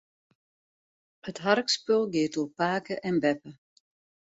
It harkspul giet oer pake en beppe.